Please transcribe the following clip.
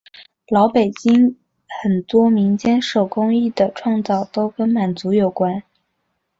老北京很多民间手工艺的创造都跟满族有关。